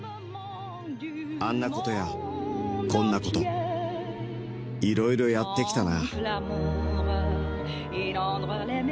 あんなことやこんなこと、いろいろやってきたな。